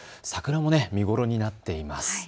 桜も見頃になっています。